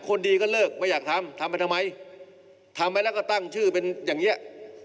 คนดีก็เลิกไม่อยากทำทำไปทำไมทำไปแล้วก็ตั้งชื่อเป็นอย่างนี้